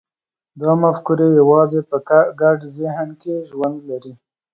دا مفکورې یوازې په ګډ ذهن کې ژوند لري.